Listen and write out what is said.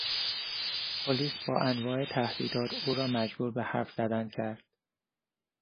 پلیس با انواع تهدیدات او را مجبور به حرف زدن کرد.